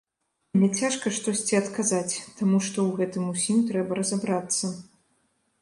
Мне цяжка штосьці адказаць, таму што ў гэтым усім трэба разабрацца.